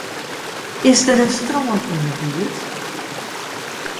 Is der in strân yn 'e buert?